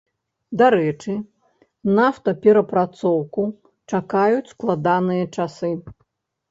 Дарэчы, нафтаперапрацоўку чакаюць складаныя часы.